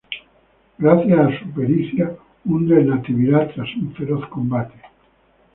Gracias a su pericia hunde el "Natividad" tras un feroz combate.